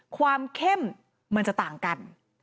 ความเข้มมันจะต่างกัน